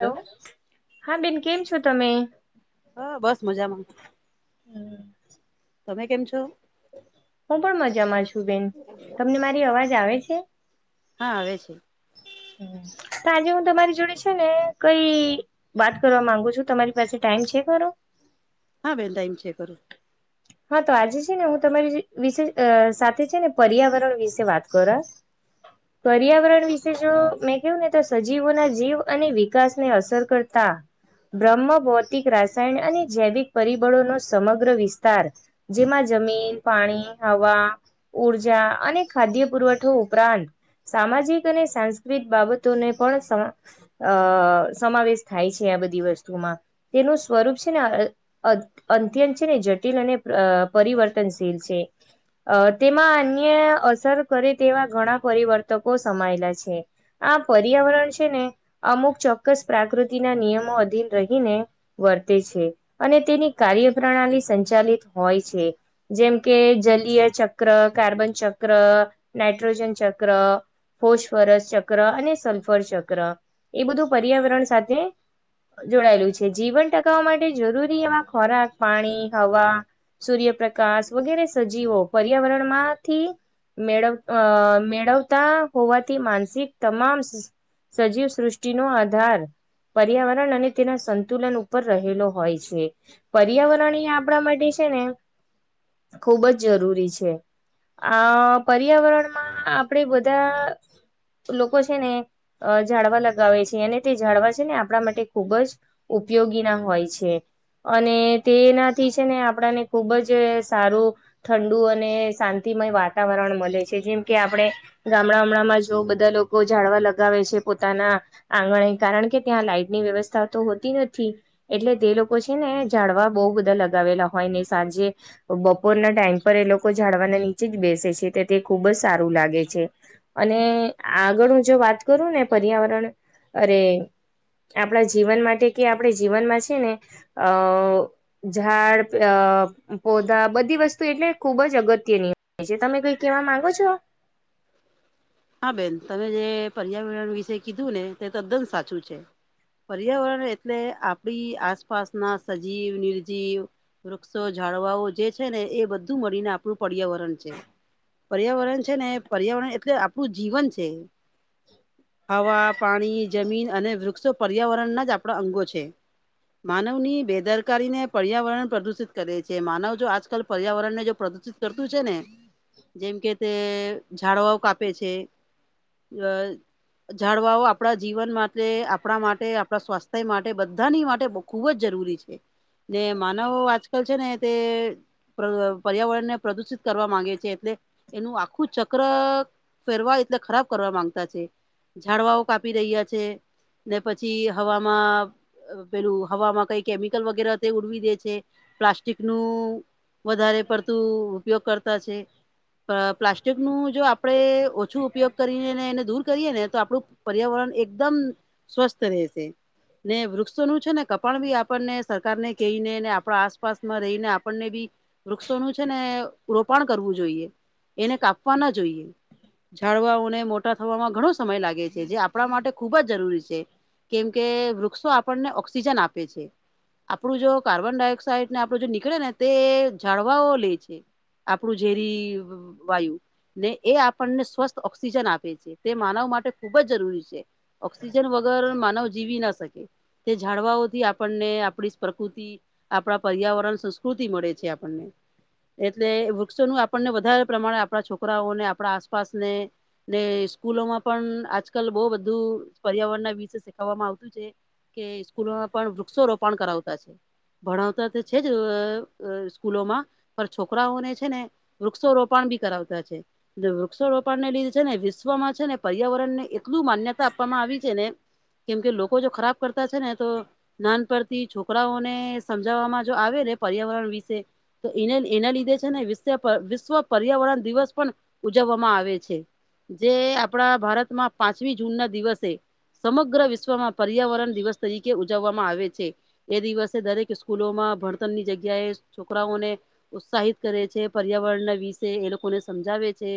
Hello હા બેન કેમ છો તમે? હા બસ મજામાં તમે કેમ છો? હું પણ મજામાં છું બેન તમને મારી અવાજ આવે છે. હા આવે છે. આજે હું તમારી જોડે છે ને કઈ. વાત કરવા માંગુ છું તમારી પાસે ટાઈમ છે ખરો. હા બેન ટાઈમ છે કરો. હા તો આજે છે ને હું તમારી વિશે અ સાથે છે ને પર્યાવરણ વિશે વાત કરા. [inaudible] પર્યાવરણ વિશે જો મેં કવું ને તો સજીવોના જીવ અને વિકાસને અસર કરતા બ્રહ્મ ભૌતિક રાસાયણ અને જૈવિક પરિબળો નો સમગ્ર વિશ તાર જેમાં જમીન પાણી હવા ઉર્જા અને ખાદ્ય પુરવઠો ઉપરાંત સામાજિક અને સાંસ્કૃતિક બાબતોને પણ સમા અ સમાવેશ થાય છે આ બધી વસ્તુમાં તેનું સ્વરૂપ છે ને અત અંત્યંત છે ને જટ કે અને અ પરિવર્તનશીલ છે. અ તેમાં અન્ય અસર કરે તેવા ઘણા પરિવર્તકો સમાયેલા છે. આ પર્યાવરણ છે ને અમુક ચોક્કસ પ્રકૃતિના નિયમો અધીન રહીને વર્તે છે અને તેની કાર્ય પ્ર્રણાલી સંચાલિત હોય છે. જેમ કે જલીય ચક્ર કાર્બન ચક્ર નાઇટ્રોજન ચક્ર ફોશફરસ ચક્ર અને સલ્ફર ચક્ર એ બધું પર્યાવરણ સાથે જોડાયેલું છે જીવન ટકાવવા માટે જરૂરી એવા ખોરાક પાણી હવા સૂર્યપ્રકાશ વગેરે સજીવો પર્યાવરણમાંથી મેળવ અ મેળવતા હોવાથી માનસિક તમામ સજીવ સૃષ્ટિ નો આધાર પર્યાવરણ અને તેના સંતુલન ઉપર રહેલો હોય છે પર્યાવરણીય આપણા માટે છે ને ખુબ જ જરૂરી છે. આ પર્યાવરણમાં આપણેે બધા લોકો છે ને અ ઝાડવા લગાવે છે અને તે ઝડવા છે ને આપણા માટે ખૂબ જ ઉપયોગી ના હોય છે અને તેના થી છે ને આપણાને ખુબ જ સારું. ઠંડુ અને શાંતિમય વાતાવરણ મળે છે જેમ કે આપણે ગામડામડા માં જો બધા લોકો ઝાડવા લગાવે છે પોતાના આંગણે કારણ કે ત્યાં લાઈટ ની વ્યવસ્થા તો હોતી નથી. એટલે તે લોકો છે ને ઝાડવા બહુ બધા લગાવેલા હોય ને સાંજે બપોરના ટાઈમ પર એ લોકો ઝાડવાના નીચે જ બેસે છે તે તે ખુબ જ સારું લાગે છે. અને આગળ હું જો વાત કરું ને પર્યાવરણ અરે આપણા જીવન માટે કે આપણે જીવનમાં છે ને અ ઝાડ પોધા બધી વસ્તુ એટલે ખુબ જ અગત્યની પજે તમે કઈ કેવા માંગો છો. હા બેન તમે જે પર્યાવરણ વિશે કીધું ને તે તદ્દન સાચું છે. પર્યાવરણ એટલે આપડી આસપાસના સજીવ, નિર્જીવ વૃક્ષો, ઝાળવાઓ જે છે ને એ બધું મળીને આપે આપણું પર્યાવરણ છે પર્યાવરણ છે ને પર્યાવરણ એટલે આપણું જીવન છે. હવા, પાણી, જમીન અને વૃક્ષો પર્યાવરણના જ આપણા અંગો છે. માનવ ની બેદરકારી ને પર્યાવરણ પ્રદુષિત કરે છે માનવ જો આજકાલ પર્યાવરણ ને જો પ્રદુષિત કરતું છે ને જેમ કે તે ઝાડવાઓ કાપે છે. [inaudible] ઝાડવાઓ આપણા જીવન માટે આપણા માટે આપણા સ્વાસ્થ્ય માટે બધાની માટે ખુબ જ જરૂરી છે ને માનવો આજકાલ છે ને તે પર્યાવરણ ને પ્રદુષિત કરવા માંગે છે એટલે એનું આખું ચક્ર ફેરવા એટલે ખરાબ કરવા માંગતા છે, ઝાડવાઓ કાપી રહ્યા છે. ને પછી હવામાં પેલું હવામાં કઈ કેમિકલ વગેરે તે ઉડવી દે છે, પ્લાસ્ટિકનું વધારે પડતું ઉપયોગ કરતા છે, પ્લાસ્ટિકનું આપડણે ઓછું ઉપયોગ કરીને ને એને દૂર કરીએ ને તો આપણું પર્યાવરણ એકદમ સ્વસ્થ રહે છે‌. ને વૃક્ષોનું છે ને કપાણ ભી આપણને સરકાર ને કહીને ને આપણા આસપાસમાં રહીને આપણને બી વૃક્ષોનું છે ને રોપણ કરવું જોઈએ એને કાપવા ના જોઈએ. ઝાડવાઓને મોટા થવામાં ઘણો સમય લાગે છે જે આપણા માટે ખુબ જ જરૂરી છે. કેમ કે વૃક્ષો આપણને ઓક્સિજન આપે છે. આપણું જો કાર્બન ડાયોક્સાઇડ ને આપડું જો નીકળે ને તે ઝાળવાઓ લે છે‌. આપણું ઝેરી વાયુ ને એ આપણને સ્વસ્થ ઓક્સિજન આપે છે તે માનવ માટે ખુબ જ જરૂરી છે. ઓક્સિજન વગર માનવ જીવી ન શકે. તે ઝાડવાઓથી આપણને આપણી પ્રકૃતિ આપણા પર્યાવરણ સંસ્કૃતિ મળે છે આપણને એટલે વૃક્ષોનું આપણને વધારે પ્રમાણે આપણા છોકરાઓને આપણા આસપાસને ને સ્કૂલોમાં પણ આજકાલ બહ બધું પર્યાવરણના વિષ શીખવામાં આવતું છે. કે સ્કૂલોમાં પણ વૃક્ષો રોપણ કરાવતા છે. ભણાવતા છે જ સ્કૂલોમાં પણ છોકરાઓને છે ને વૃક્ષો રોપણ ભી કરાવતા છે. વુક્ષોરોપણને લીધે છે ને વિશ્વમાં છે ને પર્યાવરણ ને એટલું માન્યતા આપવામાં આવી છે ને કેમ કે લોકો જો ખરાબ કરતા છે ને તો નાનપડથી છોકરાઓને સમજાવવામાં જો આવે ને પર્યાવરણ વિશે તો એને એના લીધે છે ને વિ વિશ્વ પર્યાવરણ દિવસ પણ ઉજવવામાં આવે છે જે આપણા ભારતમાં પાંચમી જૂન ના દિવસે સમગ્ર વિશ્વમાં પર્યાવરણ દિવસ તરીકે ઉજવવામાં આવે છે એ દિવસે દરેક સ્કૂલોમાં ભણતરની જગ્યાએ. છોકરાઓને ઉત્સાહિત કરે છે, પર્યાવરણના વિશે એ લોકોને સમજાવે છે.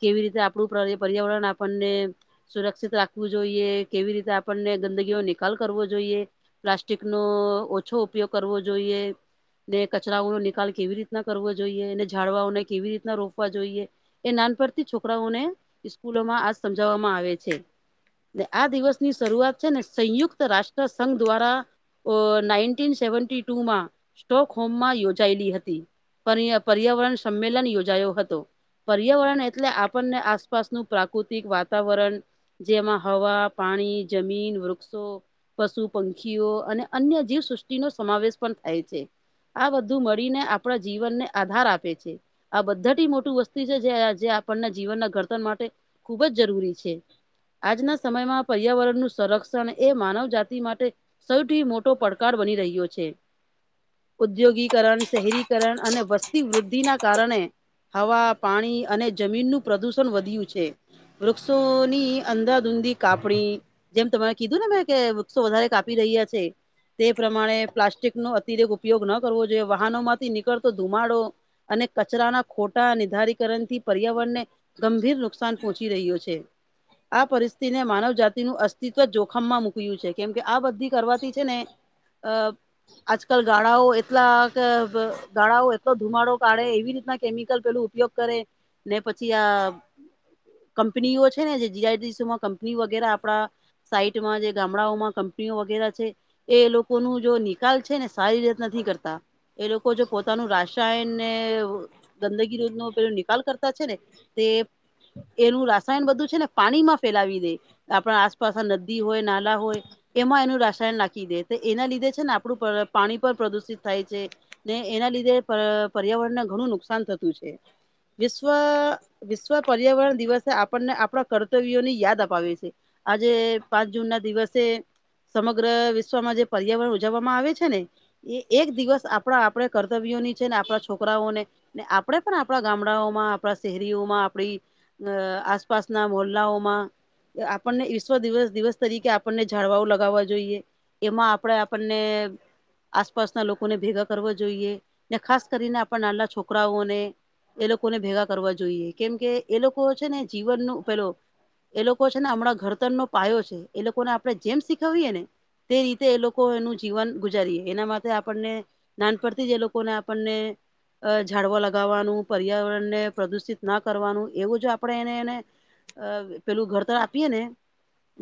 કેવી રીતે આપણું પર્યાવરણ આપણને સુરક્ષિત રાખવું જોઈએ કેવી રીતે આપણને ગંદગી ન નિકાલ કરવો જોઈએ પ્લાસ્ટિક નો ઓછો ઉપયોગ કરવો જોઈએ ને કચરાઓનો નિકાલ કેવી રીતના કરવો જોઈએ એને ઝાડવાઓને કેવી રીતના રોપવા જોઈએ એ નાનપણથી છોકરાઓને સ્કૂલોમાં આ સમજાવવામાં આવે છે. આ દિવસ ની શરૂઆત છે ને સંયુક્ત રાષ્ટ્ર સંઘ દ્વારા અ નાઈનટી સેવન્ટી ટુમાં સ્ટોક હોમમાં યોજાયેલી હતી. પરયા પર્યાવરણ સંમેલન યોજાયો હતો. પર્યાવરણ એટલે આપણને આસપાસનું પ્રાકૃતિક વાતાવરણ જેમાં હવા પાણી જમીન વૃક્ષો પશુ પંખીઓ અને અન્ય જીવસૃષ્ટિ નો સમાવેશ પણ થાય છે. આ બધું મળીને આપણા જીવનને આધાર આપે છે આ બધા થી મોટું વસ્તુ જે આપણને જીવનના ઘર્તન માટે ખુબ જ જરૂરી છે. છે આજના સમયમાં પર્યાવરણનું સંરક્ષણ શિક્ષણ એ માનવ જાતિ માટે સૌથી મોટો પડકાર બની રહ્યો છે. ઉદ્યોગીકરણ શહેરીકરણ અને વસ્તી વૃદ્ધિના કારણે હવા પાણી અને જમીનનું પ્રદુષણ વધ્યું છે. વૃક્ષોની અંધાધૂંધી કાપણી જેમ તમે કીધું ને મેં કે વૃક્ષો વધારે કાપી રહ્યા છે તે પ્રમાણે પ્લાસ્ટિક નો અતિરેક ઉપયોગ ન કરવો જોઈએ વાહનોમાંથી નીકળતો ધુમાડો અને કચરાના ખોટા નિર્ધારીત નિરાકરણથી પર્યાવરણ ને ગંભીર નુકસાન પહોંચી રહ્યું છે. આ પરિસ્થિતિને માનવજતિનું અસ્તિત્વ જોખમમાં મુક્યું છે કેમ કે આ બધી કરવાથી છે ને અ આજકાલ ગાળાઓ એટલા ગાળાઓ એટલો ધુમાડો કાઢે એવી રીતના કેમિકલ પેલું ઉપયોગ કરે ને પછી આ કંપનીઓ છે ને જે જીઆઈટીસીમાં કંપની વગેરે આપડા સાઈટમાં જે ગામડાઓમાં કંપનીઓ વગેરે છે. એ લોકો નુ જો નિકાલ છે ને સારી રીત નથી કરતા એ લોકો જો પોતાનું રાસાયણને ગંદગી નુ પે નિકાલ કરતા છે ને તે એનું રાસાયણ બધું છે ને પાણી માં ફેલાવી દે આપણા આસપાસ નદી હોય નાલા હોય એમાં એનું રાસાયણ નાખી દે તો એના લીધે છે ને આપણું પાણી પણ પ્રદુષિત થાય છે. ને એના લીધે પર્યાવરણને ઘણું નુકસાન થતું છે. વિશ્વ અ વિશ્વ પર્યાવરણ દિવસે આપણને આપણા કર્તવ્યોની યાદ અપાવી છે. આજે પાંચ જૂન ના દિવસે સમગ્ર વિશ્વમાં જે પર્યાવરણ ઉજવવામાં આવે છે ને એ એક દિવસ આપણા આપણે કર્તવ્યોની છે ને આપણા છોકરાઓને ને આપડે પણ આપણા ગામડાઓમાં આપણા શહેરીઓમાં આપડી અ આસપાસના મોલ્લાઓમાં આપણને વિશ્વ દિવસ દિવસ તરીકે આપણને ઝાળવાઓ લગાવવા જોઈએ એમાં આપણેે આપણને આસપાસના લોકોને ભેગા કરવો જોઈએ ને ખાસ કરીને આપણા નાના છોકરાઓને એ લોકોને ભેગા કરવા જોઈએ કેમ કે એ લોકો છે ને જીવન નુ પેલો એ લોકો છે ને હમણાં ઘડતર નો પાયો છે એ લોકોને આપણે જેમ શીખવીએ ને તે રીતે એ લોકો એનું જીવન ગુજારીએ એના માટે આપણને નાનપણથી જ એ લોકોને આપણને અ ઝાડવા લગાવવાનું પર્યાવરણ ને પ્રદુષિત ના કરવાનું એવું જો આપણે એને એને અ પેલું ઘરતર આપીએ ને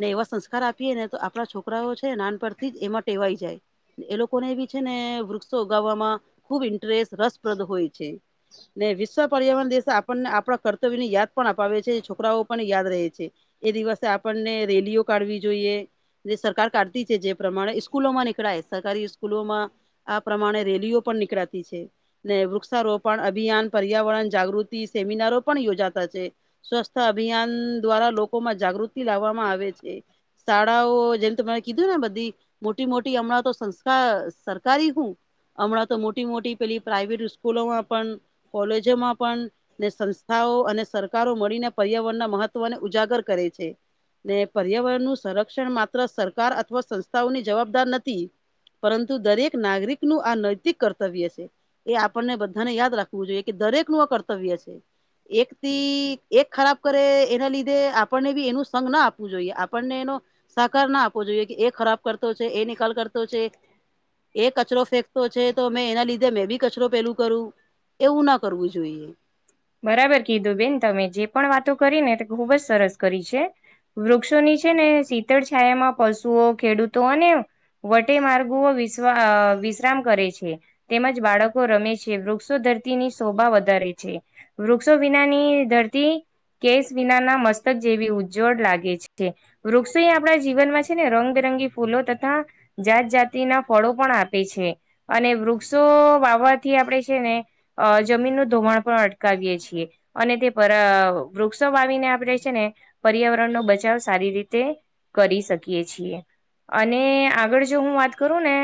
ને એવા સંસ્કાર આપીએ ને તો આપણા છોકરાઓ છે નાનપણથી જ એમાં ટેવાઈ જાય એ લોકોને એ બી છે ને વૃક્ષો ઉગાવવામાં ખુબ ઇન્ટરેસ્ટ રસપ્રદ હોય છે. ને વિશ્વ પર્યાવરણ દેશ આપણને આપણા કર્તવ્ય ની યાદ પણ અપાવે છે છોકરાઓ પણ યાદ રહે છે એ દિવસે આપણને રેલીઓ કાઢવી જોઈએ જે સરકાર કાઢતી છે જે પ્રમાણે સ્કૂલોમાં નીકળાય સરકારી સ્કૂલોમાં આ પ્રમાણે રેલીઓ પણ નીકળાતી છે ને વૃક્ષારોપણ અ અભિયાન પર્યાવરણ જાગૃતિ સેમિનારો પણ યોજાતા છે. સ્વસ્થ અભિયાન દ્વારા લોકોમાં જાગૃતિ લાવવામાં આવે છે. શાળાઓ જેને તમારે કીધું ને બધી મોટી મોટી હમણાં તો સંસ્થા સરકારી હું. હમણાં તો મોટી મોટી પેલી પ્રાઈવેટ સ્કૂલોમાં પણ કોલેજોમાં પણ ને સંસ્થાઓ અને સરકારો મળીને પર્યાવરણના મહત્વને ઉજાગર કરે છે. ને પર્યાવરણ નું સંરક્ષણ માત્ર સરકાર અથવા ની જવાબદાર નથી પરંતુ દરેક નાગરિક નું આ નૈતિક કર્તવ્ય છે એ આપણને બધાને યાદ રાખવું જોઈએ કે દરેક નું આ કર્તવ્ય છે એકથી એક ખરાબ કરે એના લીધે આપણને બી એનું સઘ ના આપવું જોઈએ આપણને એનો સાકાર ના આપવો જોઈએ કે એ ખરાબ કરતો છે એ નિકાલ કરતો છે. એ કચરો ફેંકતો છે તો મેં એના લીધે મેં બી કચરો પેલું કરું એવું ન કરવું જોઈએ બરાબર કીધું બેન તમે જે પણ વાતો કરી ને તે ખુબ જ સરસ કરી છે. વૃક્ષોની છે ને શીતળ છાયામાં પશુઓ ખેડૂતો અને વટે માર્ગો વિસ વિશ્રામ કરે છે. તેમજ બાળકો રમે છે વૃક્ષો ધરતીની શોભા વધારે છે. વૃક્ષો વિનાની ધરતી કેસ વિના ના મસ્તક જેવી ઉજ્જવડ લાગે છે. વૃક્ષો અહી આપણા જીવનમાં છે ને રંગબેરંગી ફૂલો તથા જાત જાતિના ફળો પણ આપે છે. અને વૃક્ષો વાવવાથી આપણે છે ને અ જમીનનું ધોમણ પણ અટ કાવએ છીએ અને તે પર વૃક્ષો વાવીને આપણેે છે ને પર્યાવરણનોો બચાવ સારી રીતે કરી શકીએ છીએ અને આગળ જો હું વાત કરું ને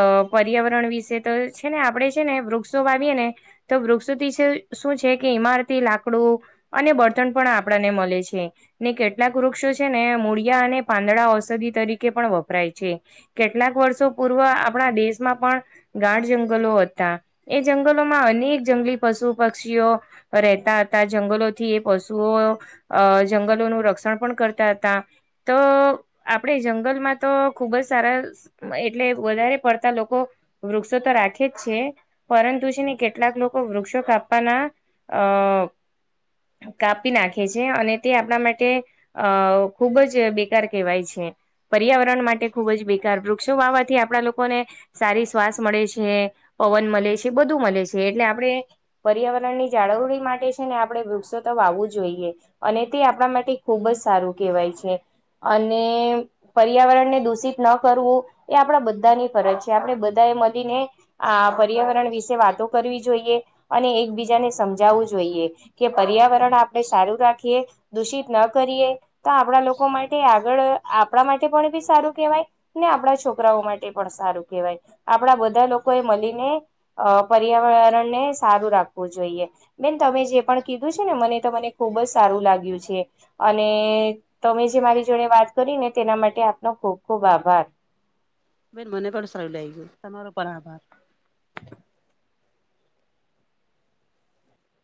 અ પર્યાવરણ વિશે તો છે ને આપડણે છે ને વૃક્ષો વાવીએે ને તો વૃક્ષોથી છે. શું છે કે ઇમારતી લાકડું અને બળતન પણ આપણને મળે છે. ને કેટલાક વૃક્ષો છે ને મૂળિયા અને પાંદડા ઔષધિ તરીકે પણ વપરાય છે. કેટલાક વર્ષો પૂર્વ આપણા દેશમાં પણ ગાઢ જંગલો હતા એ જંગલોમાં અનેક જંગલી પશુ પક્ષીઓ રહેતા હતા જંગલોથી એ પશુઓ અ જંગલોનું રક્ષણ પણ કરતા હતા તો આપડે જંગલમાં તો ખુબ જ સારા એટલે વધારે પડતા લોકો વૃક્ષો તો રાખે જ છે. પરંતુ છે ને કેટલાક લોકો વૃક્ષો કાપવાના અ કાપી નાખે છે અને તે આપણા માટે અ ખુબ જ બેકાર કહેવાય છે. પર્યાવરણ માટે ખૂબ જ બેકાર વૃક્ષો વાવાથી આપણા લોકોને સારી શ્વાસ મળે છે પવન મળે છે બધું મળે છે એટલે આપણે પર્યાવરણ ની જાળવણી માટે છે ને આપડણે વૃક્ષો તો વાવવું જોઈએ અને તે આપણા માટે ખૂબ જ સારું કહેવાય છે અને પર્યાવરણ ને દૂષિત ન કરવું એ આપણા બધાની ફરજ છે આપણે બધા એ મળીને આ પર્યાવરણ વિશે વાતો કરવી જોઈએ અને એકબીજાને સમજાવવું જોઈએ કે પર્યાવરણ આપણેે સારું રાખીએ દૂષિત ન કરીએ તો આપણા લોકો માટે આગળ આપણા માટે પણ બી સારું કેહેવાય ને આપણા છોકરાઓ માટે પણ સારું કહેવાય આપણા બધા લોકો એ મળીને અ પર્યાવરણને સારું રાખવું જોઈએ બેન તમે જે પણ કીધું છે ને મને મને ખુબ જ સારું લાગ્યું છે. અને તમે જે મારી જોડે વાત કરી ને તેના માટે આપનો ખૂબ ખુબ આભાર બેન મને પણ સારું લઈ ગયું તમારો પણ આભાર. [inaudible]